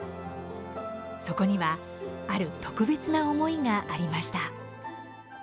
そこには、ある特別な思いがありました。